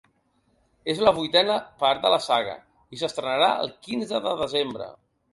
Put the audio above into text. És la vuitena part de la saga i s’estrenarà el quinze de desembre.